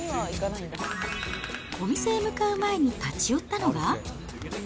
お店へ向かう前に立ち寄ったのが。